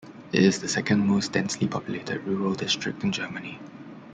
It is the second most densely populated rural district in Germany.